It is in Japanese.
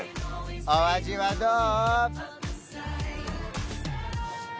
お味はどう？